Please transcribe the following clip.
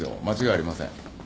間違いありません。